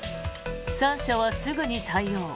３社はすぐに対応。